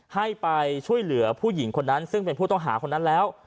ให้ไปช่วยเหลือผู้หญิงคนนั้นซึ่งเป็นผู้ต้องหาคนนั้นแล้ว